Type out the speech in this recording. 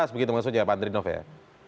begitu maksudnya ya pak andrinov ya